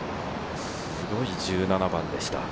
すごい１７番でした。